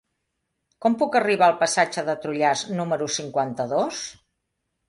Com puc arribar al passatge de Trullàs número cinquanta-dos?